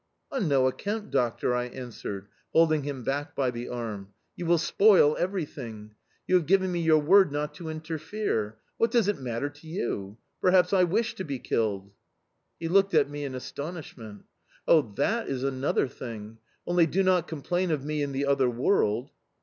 "On no account, doctor!" I answered, holding him back by the arm. "You will spoil everything. You have given me your word not to interfere... What does it matter to you? Perhaps I wish to be killed"... He looked at me in astonishment. "Oh, that is another thing!... Only do not complain of me in the other world"...